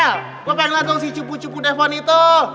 lo pengen liat dong si cupu cupu depon itu